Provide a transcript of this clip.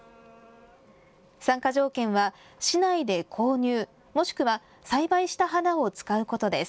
参加条件は市内で購入、もしくは栽培した花を使うことです。